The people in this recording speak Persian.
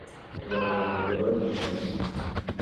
اوراق بهادار ممتاز